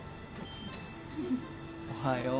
・おはよう。